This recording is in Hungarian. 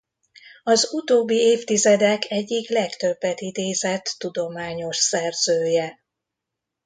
Az utóbbi évtizedek egyik legtöbbet idézett tudományos szerzője.